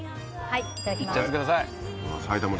はい。